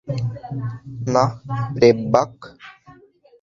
না, প্যেব্যাক।